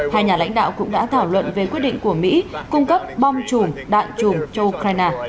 hai nhà lãnh đạo cũng đã thảo luận về quyết định của mỹ cung cấp bom chùm đạn chùm cho ukraine